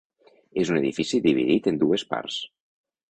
És un edifici dividit en dues parts.